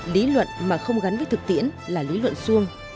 lý luận mà không gắn với thực tiễn là lý luận xuông